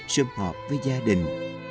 xâm họp với gia đình